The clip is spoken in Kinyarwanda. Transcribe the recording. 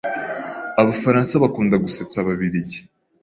Abafaransa bakunda gusetsa Ababiligi.